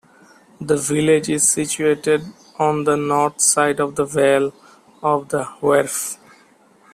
The village is situated on the north side of the vale of the Wharfe.